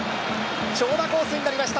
長打コースになりました